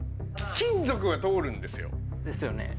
金属は通るんですよですよね